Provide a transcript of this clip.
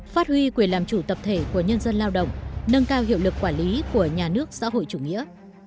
phát huy quyền làm chủ tập thể của nhân dân lao động nâng cao hiệu lực quản lý của nhà nước xã hội chủ nghĩa